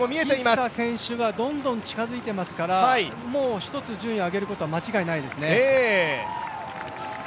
キッサ選手がどんどん近づいていますからもう一つ順位を上げることは間違いないですね。